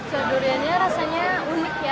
so duriannya rasanya unik ya